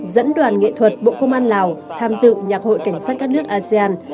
dẫn đoàn nghệ thuật bộ công an lào tham dự nhạc hội cảnh sát các nước asean